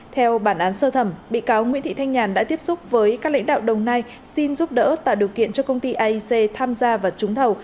theo bản án sơ thẩm bị cáo nguyễn thị thanh nhàn đã tiếp xúc với các lãnh đạo đồng nai xin giúp đỡ tạo điều kiện cho công ty aic tham gia và trúng thầu